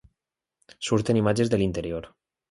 Surten imatges de l'interior.